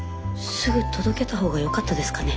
すぐ届けた方がよかったですかね